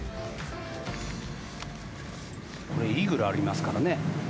これイーグルありますからね。